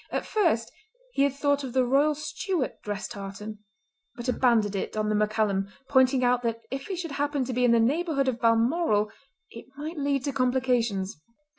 At first he had thought of the Royal Stuart dress tartan, but abandoned it on the MacCallum pointing out that if he should happen to be in the neighbourhood of Balmoral it might lead to complications.